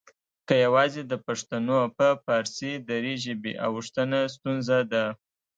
که یواځې د پښتنو په فارسي دري ژبې اوښتنه ستونزه ده؟